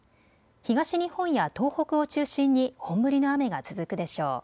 東日本や東北を中心に本降りの雨が続くでしょう。